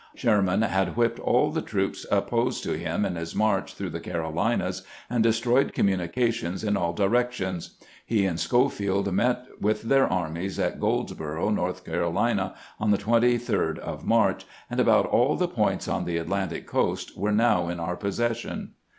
Sherman had whipped all the troops opposed to him in his march through the Carolinas, and destroyed communications in aU directions. He and Schofield met with their armies at Groldsboro', North Carolina, on the 23d of March, and about all the points on the Atlantic coast were now in our possession.